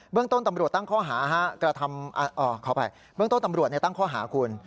เบื้องต้นตำรวจตั้งข้อหาคุณ